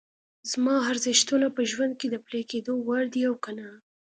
زما ارزښتونه په ژوند کې د پلي کېدو وړ دي او که نه؟